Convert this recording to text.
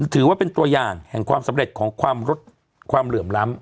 ถือว่าเป็นตัวอย่างแห่งความสำเร็จของความเหลื่อมล้ำ